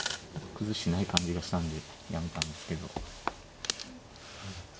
崩してない感じがしたんでやめたんですけど。